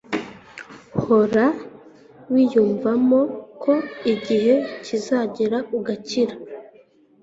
hora wiyumvamo ko igihe kizagera ugakira